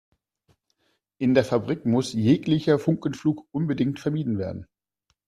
In der Fabrik muss jeglicher Funkenflug unbedingt vermieden werden.